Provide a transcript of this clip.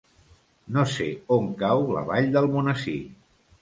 No sé on cau la Vall d'Almonesir.